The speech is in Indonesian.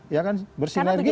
iya kan bersinergi